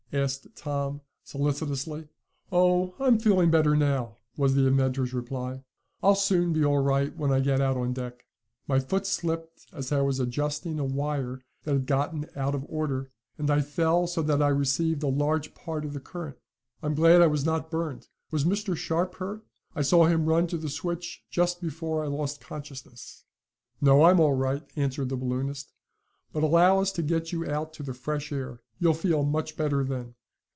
asked Tom solicitously. "Oh, I I'm feeling better now," was the inventor's reply. "I'll soon be all right when I get out on deck. My foot slipped as I was adjusting a wire that had gotten out of order, and I fell so that I received a large part of the current. I'm glad I was not burned. Was Mr. Sharp hurt? I saw him run to the switch, just before I lost consciousness." "No, I'm all right," answered the balloonist. "But allow us to get you out to the fresh air. You'll feel much better then."